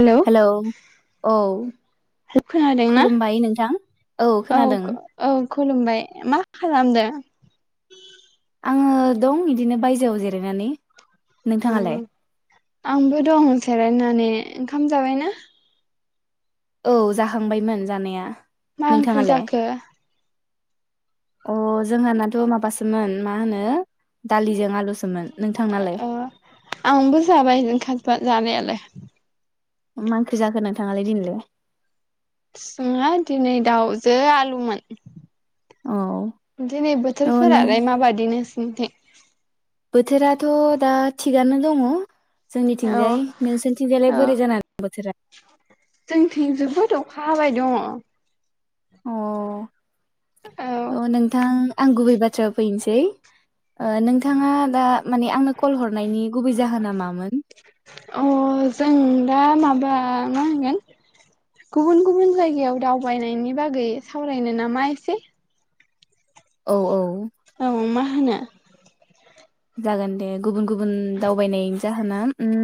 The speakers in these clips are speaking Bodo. हेलौ औ हे खोनादों ना खुलुमबाय नोंथां औ औ खुलुमबाय मा खालामदों? [inaudible] आङो दं बिदिनो बायजोआव जिरायनानै। औ नोंथाङालाय आंबो दं जेरायना नै ओंखाम जाबायना? औ जाखांबायमोन जानाया। मा ओंख्रि नोंथाङालाय जाखो? अ जोंहानाथ' माबासोमोन मा होनो दालिजों आलु अ आंबो जाबाय नोंथां जानायालाय। मा ओंख्रि जाखो नोंथाङालाय दिनैलाय? जोंहा दिनै दाउजो आलुमोन। औ दिनै थ' नों बोथोरफोरालाय माबायदि नो [unintelligible] बोथोराथ' दा थिगानो दङ। औ जोंनिथिंजायै नोंसोरनिथिंजायलाय औ बोरै जानानानै बोथोरा? खा हाबाय दङ। अ नोंथां आं गुबैबा थ्रायाव फैनोसै ओ नोंथाङा दा माने आंनो कल हरनायनि गुबै जाहोना मामोन? अ जों दा माबा मा होनगोन गुबुन गुबुन जायगायाव दावबायनायनि बागै सावरायनो नामा एसे? औ औ औ मा होनो जागोन दे। गुबुन गुबुन दावबायनाय जाहोना उम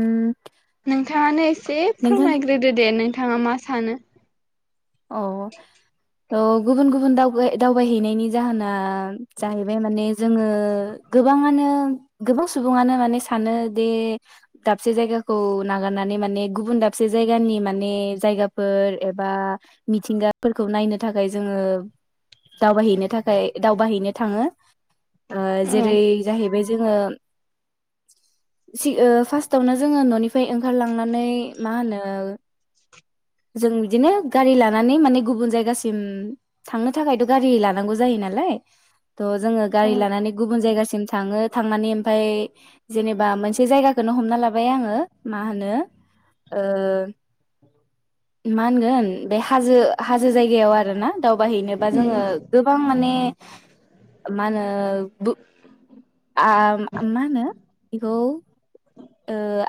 नोंथाङानो एसे नोंथांनि फोरमायग्रोदो दे नोंथां। नोंथाङा मा सानो? औ औ गुबुन गुबुनाव दावबाय-दावबायहैनायनि जाहोना जाहैबाय माने जोङो गोबाङानो गोबां सुबुङानो माने सानो दि दाबसे जायगाखौ नागारनानै माने गुबुन दाबसे जायगानि माने जायगाफोर एबा मिथिंगाफोरखौ नायनो थाखाय जोङो दावबायहैनो थाखाय दावबायैनो थाङो औ जेरै जाहैबाय जोङो फार्स्टावनो जोङो न'निफ्राय ओंखारलांनानै मा होनो जों बिदिनो गारि लानानै माने गुबुन जायगासिम थांनो थाखायथ' गारि लानांगौ जायो नालाय थह जोङो गारि उम लानानै गुबुन जायगासिम थाङो थांनानै ओमफफ्राय जेनेबा मोनसे जायगाखौनो हमना लाबाय आङो मा होनो मा होनगोन बे हाजो हाजो जायगायाव आरो ना दावबायाहैनोबा जोङो गोबां माने मा होनो मा होनो बेखौ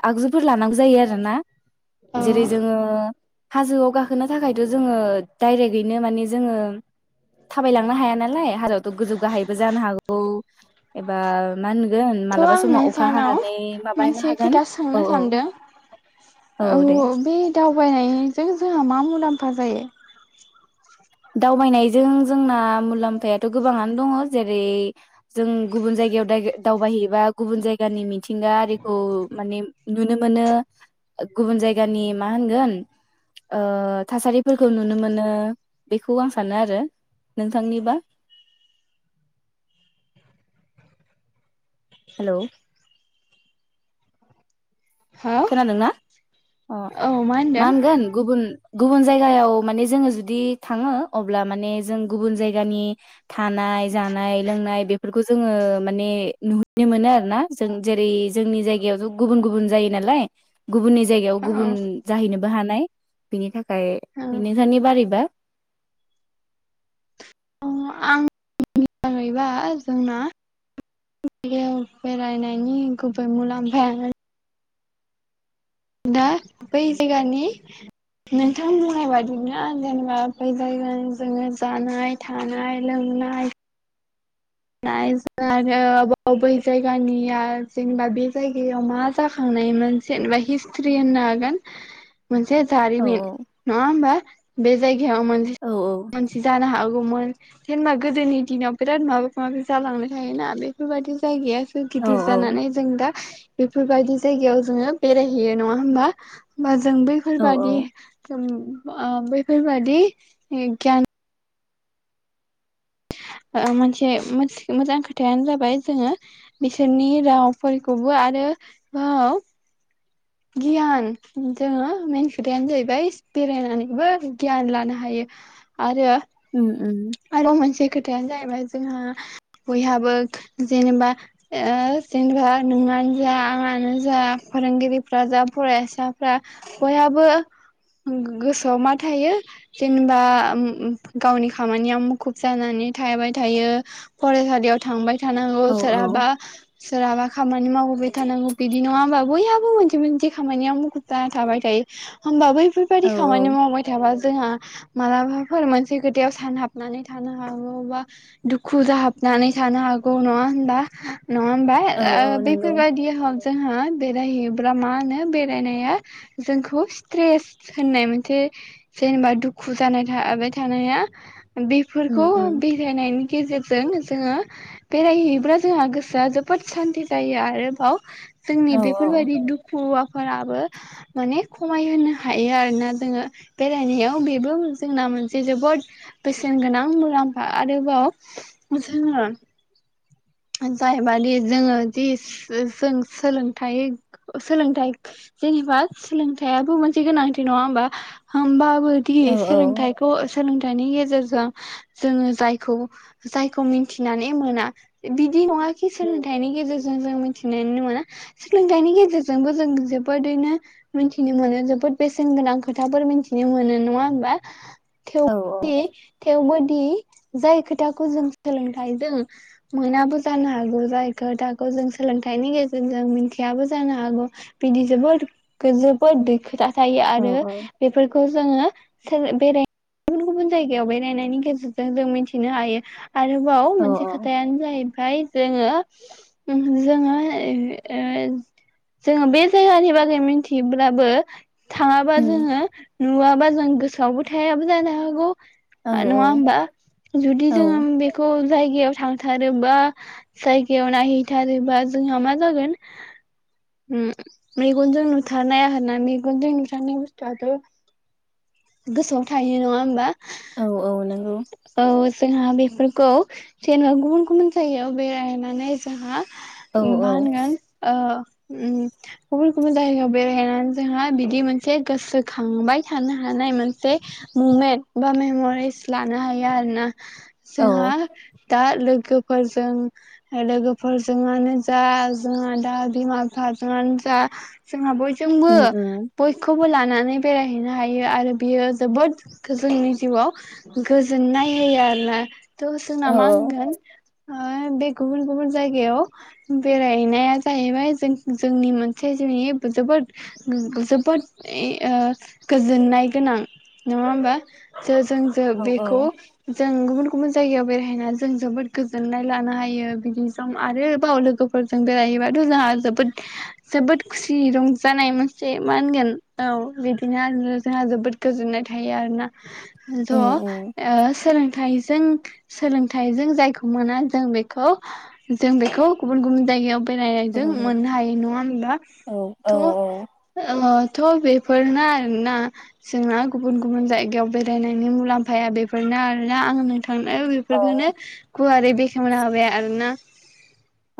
आगजुफोर लानांगौ जायो आरो ना औ जेरै जोङो हाजोआव गाखोना थ' जोङो डायरेक्यैनो माने जोङो थाबाय लांनो हाया नालाय हाजआवथ' गोजौ गाहायबो जानो हागौ एबा मा होन थ' आं नों सानाव माबानो मोनसे हागोन खोथा औ सोंनो औ सानदों औ बे दावबायनायजों जों मा मुलाम्फा जायो दावबायनायजों जोंना मुलाम्फायाथ' गोबाङानो दङ जेरै जों गुबुन जायगायाव द दावबायहैबा गुबुन जायगानि मिथिंगा आरिखौ माने नुनो मोनो गुबुन जायगानि मा होनगोन ओ थासारिफोरखौ नुनो मोनो बेखौ आं सानो आरो नोंथांनिबा हेल' हो खोनादोंना अह औ मा होनदों मानगोन गुबुन गुबुन जायगायाव माने जोङो जुदि थाङो अब्ला माने जों गुबुन जायगानि थानाय जानाय लोंनाय बेफोरखौ जोङो माने नुहनो मोनो आरो ना जों जेरै जोंनि जायगायावथ' गुबुन-गुबुन जायो नालाय गुबुननि जायगायाव औ गुबुन जाहैनो बो हानाय बेनि थाखा ओमफ्राय नोसानि बारैबा आं मिजाङैबा जोंना जायगायाव बेरायनायनि गुबै मुलाम्फाया दा बै जायगानि नोंथां बुंनाय बादिनो आं जेनेबा बै जायगानि जोङो जानाय थानाय लोंनाय जों आरोबाव बै जायगानिया जेनेबा बे जायगायाव मा जाखांनायमोन जेनेबा हिस्ट्रि होननो हागोन मोनसे औ जारिमिन नङा होमबा बे जायग [inaudible] औ मोन जेनबा गोदोनि दिनाव बिराद माबा माबि जालांनो थायोना बेफोरबायदि जायगाया सो औ गिदिर जानानै जों दा बेफोरबायदि जायगायाव जोङो बेरायहैयो नङा होमबा बा? जों औ औ बैफोरबादि उम ओ बैफोरबादि गियान ओ मोनसे मोजां खोथायानो जाबाय जोङो बिसोरनि रावफोरखौबो आरो गियान जोङो मेन खोथायानो जाहैबाय बेरायनानैबो गियान लानो हायो आरो उम। उम आरो मोनसे खोथाया जाहै बाय जोंहा बयहाबो जेनेबा ओ जेनेबा नोंङानो जा आंनो जा फोरोंगिरिफ्रा जा फरायसाफ्रा बयहाबो गोसोआव मा थायो जेनेबा गावनि खामानिया मुखुब जानानै थाबाय थायो फरायसालियाव थांबाय थानांगौ औ सोरहाबा सोरहाबा खामानि मावबोबाय थानांगौ बिदि नङा होमबा बयहाबो मोनसे मोनसे खामानियाव मुखुब जाना थाबाय थायो होमबा बै बैफोरबायदि औ खामानि मावबाय थाबा जोंहा मालाबाफोर मोनसे खो थायाव सानहाबनानै थानो हागौ बा दुखु जाहाबनानै थानो हागौ नङा होनबा? नङा होमबा औ ओ औ नंगौ बेफोरबायदि हग जोंहा बेरायहैयोब्रा मा होनो बेरायनाया जोंखौ स्ट्रेस होननाय मोनसे जेनेबा दुखु जानाय थाबाय थानाया उम बेफोरखौ उम बेरायनायनि गेजेरजों जोङो बेरायहैयोब्ला जोंहा गोसोआ जोबोद सान्थि जायो आरोबाव जोंनि औ औ बेफोरबायदि दुखुआव फोराबो माने खमायहोनो हायो आरोना जोङो बेरायनायाव बेबो जोंना मोनसे जोबोद बेसेन गोनां मुलाम्फा आरोबाव जोङो जाहैबायदि जोङो दि जों सोलोंथाइ सोलोंथाइ जेनेबा सोलोंथाइयाबो मोनसे गोनांथि नङा होमबा होमबाबो औ दिस औ सोलोंथाइखौ सोलों थाइनि गेजेरजों जोङो जायखौ जायखौ मिथिनानै मोना। बिदि नङाखि उम सोलोंथाइनि गेजेरजों जों मिथिनायनि नङा सोलोंथाइनि गेजेरजोंबो जों जोबोदैनो मिथिनो मोनो जोबोद बेसेन गोनां खोथाफोर मिथिनो मोनो नङा होमबा? औ थि थेवबोदि जाय खोथाखौ जों सोलोंथाइजों मोनाबो जानो हागौ जाय खोथाखौ जों सोलोंथाइनि गेजेरजों मिथियाबो जानो हागौ बिदि जोबोद जोबोद खोथा थायो औ आरो बेफोरखौ जोङो सोर बेराय गुबुन गुबुन जायगायाव बेरायनायनि गेजेरजों जों मिथिनो हायो। आरोबाव औ मोनसे खोथायानो जाहैबाय जोङो जोङो ओ जोङो बे जायगानि बागै मिथिब्लाबो थाङाबा उम जोङो नुवा बा जों गोसोआवबो थाया। जानो हागौ। औ नंङा औ होमबा जुदि जोंङो औ बेखौ जायगायाव थांथारोबा जायगायाव नायहैथारोबा जोंहा मा जागोन मेगनजों नुथारनाया आर ना मेगनजों नुथारनाय बुस्थुआथ' गोसोआव थाहायो नंङा होमबा? औ औ नंगौ। औ जोंहा बेफोरखौ जेनेबा गुबुन गुबुन जायगायाव बेरायनानै जोंहा औ औ मानगोन अ उम गुबुन गुबुन जायगायाव बेरायहनानै जोंहा बिदि मोनसे गोसोखांबाय थानो हानाय मोनसे मुमेन्ट बा मेम'रिस लानो हायो आरोना। औ सोंहा दा लोगोफोरजों लोगोफोरजोंआनो जा जोंहा दा बिमा बिफाजोंनो जा जोंहा बय जोंबो उम उम बयखौबो लानानै बेरायहैनो हायो आरो बियो जोबोद जोंनि जिउआव गोजोननाय होयो आरोना। थ' जोंना औ मा होनगोन? बे गुबुन गुबुन जायगायाव बेरायनाया जाहैबाय जों जोंनि मोनसे जिनि जोबोद जोबोद ओ गोजोननाय गोनां नंङा होमबा? ज जों ज औ बेखौ औ जों गुबुन गुबुन जायगायाव बेरायहैना जों जोबोद गोजोननाय लानो हायो। बिदि जम आरोबाव लोगोफोरजों बेरायहैबाथ' जोंहा जोबोद जोबोद खुसि रंजानाय मोनसे मा होनगोन औ बिदिनो जोंहा जोबोद गोजोननाय थायो आरोना। उम उम थ' सोलोंथाइ हि जों सोलोंथाइजों जायखौ मोना जों बेखौ जों बेखौ गुबुन गुबुन जायगायाव बेरायनायजों गुबुन मोननो गुबुन हायो नङा होनबा औ थ औ ओ थ बेेफोरनो आरो ना जोंना गुबुन गुबुन जायगायाव बेरायनायनि मुलामफाया बेफोरनो आरोना आं थांनाय औ बेफोरखौनो गुवारै बेखेवना होबाय आरोना।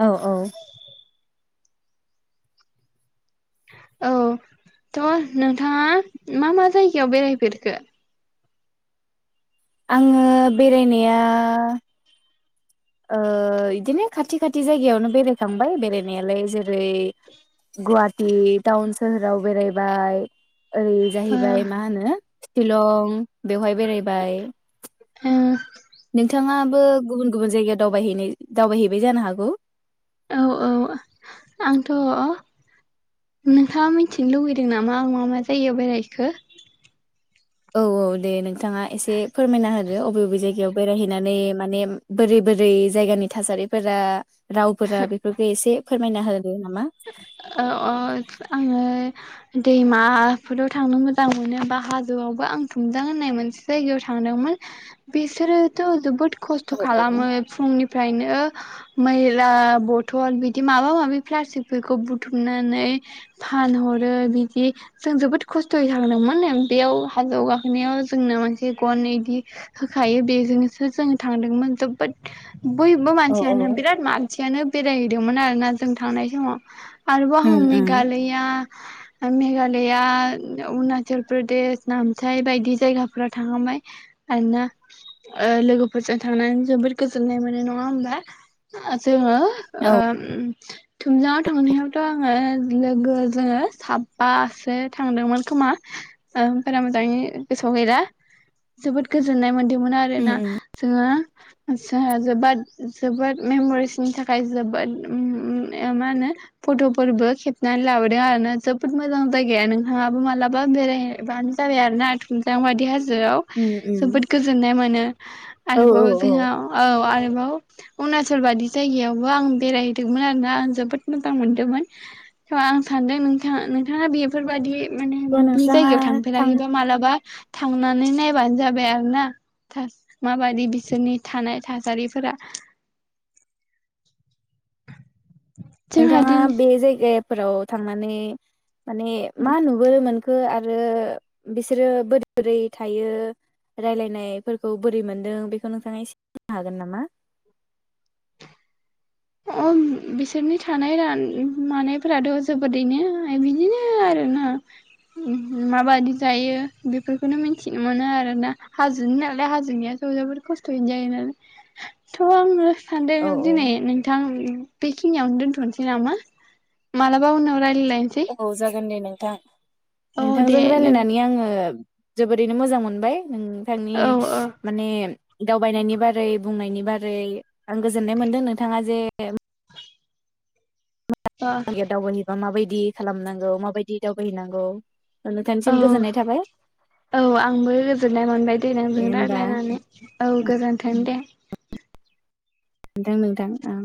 औ औ औ थ' नोंथाङा मा मा जायगायाव बेरायफेरखो? आङो बेरायनाया ओ इदिनो खाथि खाथि जायगायावनो बेरायखांबाय बेरायनायालाय जेरै गुवाहाटि टाउन सोहोराव बेरायबाय ओरै ओ जाहैबाय मा होनो? शिलं बेवहाय बेरायबाय। ओह नोंथाङाबो गुबुन गुबुन जायगायाव दावबायहैनाय दावबायहैबाय जानो हागौ। औ औ आंथ' नोंथाङा मिथिनो लुबैदों नामा आं मा मा जायगायाव बेरायखो? औ औ दे नों थाङा एसे फोरमायना होदो अबे अबे जायगायाव बेरायहैनानै माने बोरै बोरै जायगानि थासारिफोरा रावफोरा बेफोरखो एसे फोरमायना हो। [unintelligible] आङो दैमाफोराव थांनो मोजां मोनो बा हाजोआवबो आं थुमजां होननाय मोनसे जायगायाव थांदोंमोन बिसोरोथ' जोबोद औ खस्थ' खालामो फुंनिफ्रायनो मैला बथल बिदि माबा माबि प्लासटिक फोरखौ बुथुमनानै फानहरो बिदि जों जोबोद खस्थ'यै थांदोंमोन बेयाव हाजोआव गाखोनायाव जोंनो मोनसे गन इदि होखायो बेजोंसो जोङो थांदोंमोन जोबोद बैबो औ मानसियानो औ बिराद मान सियानो बेरायहैदोंमोन आरोना जों थांनाय समाव। आरोबाव उम हां उम मेघालया मेघालया, अरुनाचल प्रदेश, नामथाइ बायदि जायगाफोराव थांखांबाय आरो ना। लोगोफोरजों थांनानै जोबोद गोजोननाय मोनो नङा होमबा? जोङो औ ओ थुमजाङाव थांनायावथ' आङो लोगो जोङो साबबासो थांदोंमोन खोमा। ओ बारा मोजाङै गोसोआव गैला जोबोद गोजोननाय मोनदों मोन आरो उम ना। उम जोङो ओजाह फट'फोरबो खेबनानै लाबोदों आरोना जोबोद मोजां जायगाया नोंथाङाबो मालाबा बेरायबानो जाबाय आरो ना थुमजां बायदि हाजो आव उम उम जोबोद गोजोननाय मोनो। औ औ आरोबाव जोंहा औ आरोबाव अुरुणाचल बादि जायगायावबो आं बेरायहैदोंमोनोन आरो ना आं जोबोद मोजां मोनदोंमोन स आं सानदों नोंथाङा नोंथाङा बेफोरबायदि माने थ' बि नोंस्राङा जायगायाव थां थांफेराखैबा मालाबा थांनानै नायबानो जाबाय आरो ना थास माबायदि बिसोरनि थानाय थासारिफोरा। जोंहा नोंथाङा दिन बे [unintelligible] फोराव थांनानै माने मा नुबो नोंखो आ रो बिसोरो बोरै बोरै थायो रायलायनायफोरखौ बोरै मोनदों बेखौ नोंथाङा एसे बुंनो हागोन नामा? बिसोरनि थानाय [unintelligible] मानायफोराथ' जोबोदैनो बिदिनो आरो ना। उम माबायदि जायो बेफोरखोनो मिथिनो मोनो आरो ना। हाजोनि नालाय हाजोनियाथ' जोबोर खस्थ'यैनो जायो नालाय थ' आङो औ सानदों औ दिनै नों उम बेखिनियावनो दोनथ'नोसै नामा? मालाबा उनाव राय औ जागोन दे नोंथां। औ दे नोंथांजों नों रायलायनानै आङो ओ जोबोरैनो मोजां मोनबाय। नोंथांनि औ औ माने दावबायनायनि बारै बुंनायनि बारै आं गोजोननाय मोनदों नोंथाङा जे माबादि दावबायोबा बायदि दि खालामनांगौ माबायदि दावबायहैनांगौ नोंथांनिसिम औ गोजोननाय थाबाय औ आंबो गोजोननाय मोनबाय दे नोंजों रायज्लायनानै औ गोजोन्थों दे। नोंथां नोंथां। ओं